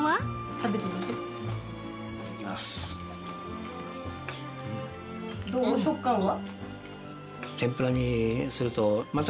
食感は？